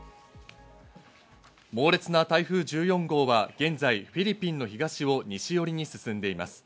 猛烈な台風１４号は現在、フィリピンの東を西寄りに進んでいます。